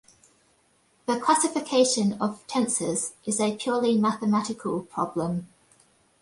The classification of tensors is a purely mathematical problem.